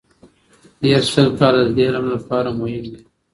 تېر سل کاله د دې علم لپاره مهم دي.